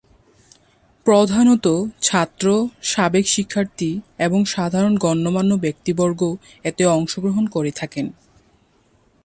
প্রধানতঃ ছাত্র, সাবেক শিক্ষার্থী এবং সাধারণ গণ্যমান্য ব্যক্তিবর্গ এতে অংশগ্রহণ করে থাকেন।